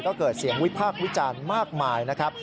ก็เกิดเสียงวิพากษ์วิจารณ์มากมายนะครับ